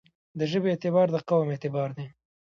د ژبې اعتبار دقوم اعتبار دی.